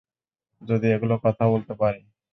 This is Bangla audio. যদি এগুলো কথা বলতে পারে।